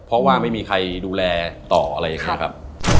เพราะว่าไม่มีใครดูแลต่ออะไรอย่างนี้ครับ